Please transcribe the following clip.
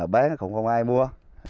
bán không ai mua